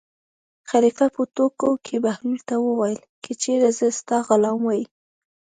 خلیفه په ټوکو کې بهلول ته وویل: که چېرې زه ستا غلام وای.